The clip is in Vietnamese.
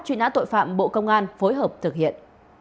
truy nã tội phạm bộ công an phối hợp thực hiện